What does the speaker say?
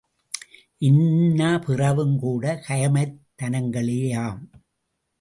இன்ன பிறவும் கூட கயமைத் தனங்களேயாம்!